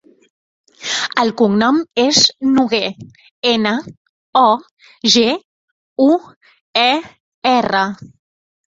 El cognom és Noguer: ena, o, ge, u, e, erra.